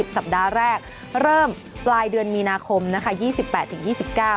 สัปดาห์แรกเริ่มปลายเดือนมีนาคมนะคะ๒๘๒๙